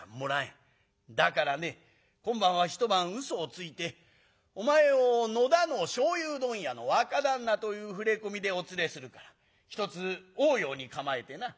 だからね今晩は一晩うそをついてお前を野田の醤油問屋の若旦那という触れ込みでお連れするからひとつおおように構えてな。